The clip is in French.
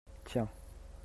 tiens.